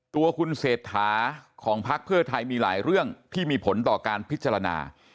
ตัวคุณเศรษฐาของพักเพื่อไทยมีหลายเรื่องที่มีผลต่อการพิจารณา